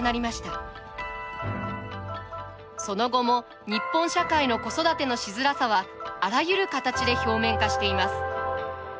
その後も日本社会の子育てのしづらさはあらゆる形で表面化しています